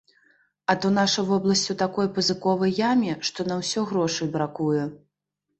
А то наша вобласць у такой пазыковай яме, што на ўсё грошай бракуе.